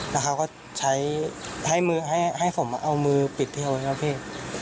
แล้วเขาก็ให้ผมเอามือปิดที่โรศพี่